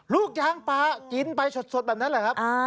ลูกยางปลากินไปสดแบบนั้นแหละครับ